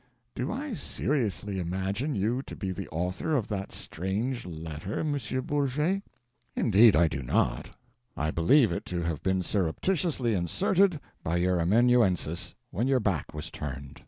Do I seriously imagine you to be the author of that strange letter, M. Bourget? Indeed I do not. I believe it to have been surreptitiously inserted by your amanuensis when your back was turned.